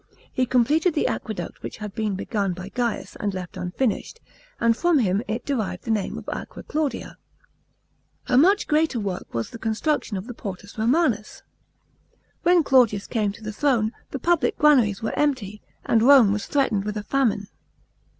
He completed the aqueduct which had been begun by Gaius, and left unfinished ; and from him it derived the name of Aqua Claudia. A much greater work was the construction of the Portus Romanus. When Claudius came to the throne, the public granaries were empty, and Rome was threatened with a famine.